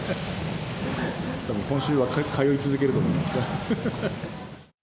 たぶん今週は通い続けると思います。